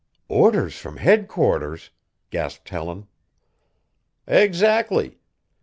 "Orders from headquarters!" gasped Helen. "Exactly!